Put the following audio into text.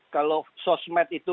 karena kalau sosmed itu